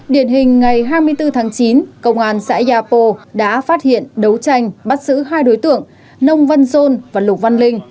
điển hình ngày hai mươi bốn tháng chín công an xã yapo đã phát hiện đấu tranh bắt giữ hai đối tượng nông văn dôn và lục văn linh